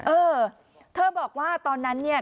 เออเธอบอกว่าตอนนั้นเนี่ย